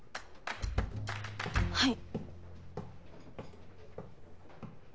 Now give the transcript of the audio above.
はい。